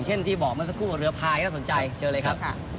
ที่บอกเมื่อสักครู่เรือพายน่าสนใจเชิญเลยครับ